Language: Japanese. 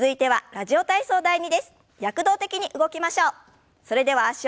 「ラジオ体操第２」。